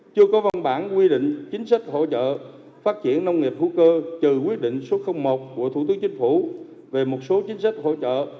chưa có văn bản quy định chính sách hỗ trợ phát triển nông nghiệp hữu cơ trừ quyết định số một của thủ tướng chính phủ về một số chính sách hỗ trợ